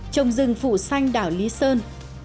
trồng rừng phụ xanh đảo lý sơn